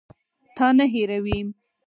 تا نه هېروي.